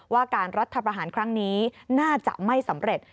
ว่าการรัฐประหารครั้งนี้น่าจะไม่สำเร็จ